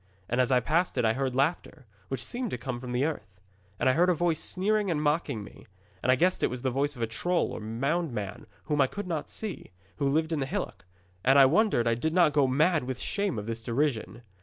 And as I passed it I heard laughter, which seemed to come from the earth. And I heard a voice sneering and mocking me. And I guessed it was the voice of a troll or moundman whom I could not see, who lived in the hillock, and I wonder I did not go mad with the shame of his derision.